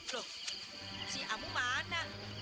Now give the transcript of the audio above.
loh si amu mana